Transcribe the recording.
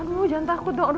kamu jangan takut dong